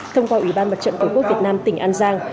thông qua ủy ban mặt trận tổ quốc việt nam tỉnh an giang